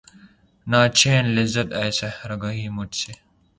نہ چھین لذت آہ سحرگہی مجھ سے